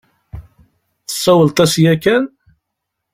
Tessawleḍ-as yakan?